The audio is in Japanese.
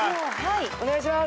お願いします。